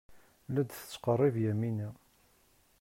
La d-tettqerrib Yamina.